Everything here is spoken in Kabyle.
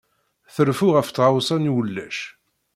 Treffu ɣef tɣawsa n wulac.